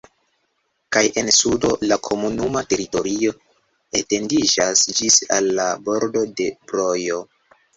Kaj en sudo la komunuma teritorio etendiĝas ĝis al la bordo de Brojo.